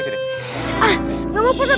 gak mau posat